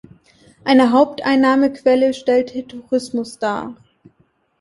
Eine Haupteinnahmequelle stellt der Tourismus dar.